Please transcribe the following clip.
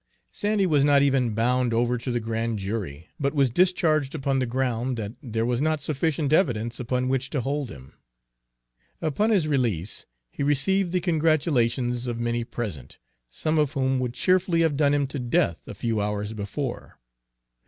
Sandy was not even bound over to the grand jury, but was discharged upon the ground that there was not sufficient evidence upon which to hold him. Upon his release he received the congratulations of many present, some of whom would cheerfully have done him to death a few hours before.